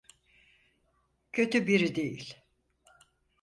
Kötü biri değil.